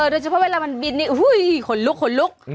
โดยเฉพาะเวลามันบินหุ้ยขนลุก